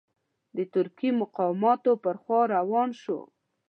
د ترکي مقاماتو پر خوا روان شو.